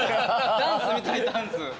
ダンス見たいダンス。